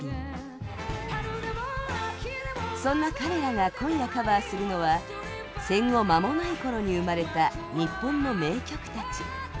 そんな彼らが今夜カバーするのは戦後間もない頃に生まれた日本の名曲たち。